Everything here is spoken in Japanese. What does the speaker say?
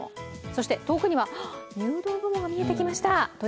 そして遠くには入道雲も見えてきました。